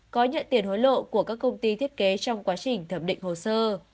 có nhận tiền hối lộ của các công ty thiết kế trong quá trình thẩm định hồ sơ